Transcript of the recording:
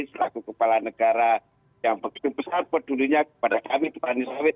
selaku kepala negara yang begitu besar pedulinya kepada kami petani sawit